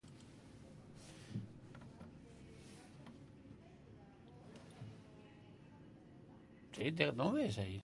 Sekretua, publikoki ez delako hitz egin horri buruz.